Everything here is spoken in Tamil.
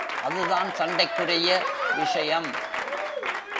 அதுதான் சண்டைக்குரிய விஷயம்.